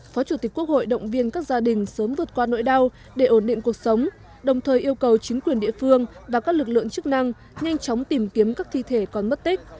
phó chủ tịch quốc hội động viên các gia đình sớm vượt qua nỗi đau để ổn định cuộc sống đồng thời yêu cầu chính quyền địa phương và các lực lượng chức năng nhanh chóng tìm kiếm các thi thể còn mất tích